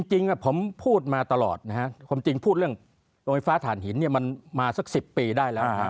จริงผมพูดมาตลอดนะฮะความจริงพูดเรื่องโรยฟ้าฐานหินมันมาสัก๑๐ปีได้แล้ว